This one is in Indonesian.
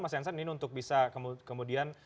mas jansen ini untuk bisa kemudian